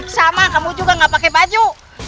sama kamu juga gak pake baju